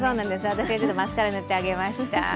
私、マスカラ塗ってあげました。